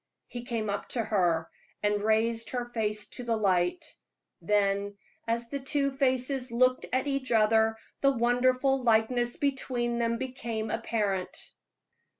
He came up to her and raised her face to the light; then, as the two faces looked at each other, the wonderful likeness between them became apparent.